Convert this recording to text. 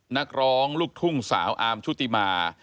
นักร้องลูกทุ่งสาวอาร์มชุติมา